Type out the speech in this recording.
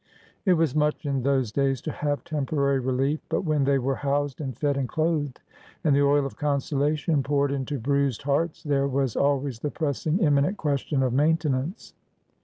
It was much in those days to have temporary relief, but when they were housed and fed and clothed, and the oil of consolation poured into bruised hearts, there was always the pressing, immanent question of maintenance.